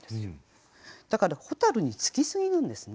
だから蛍につきすぎるんですね。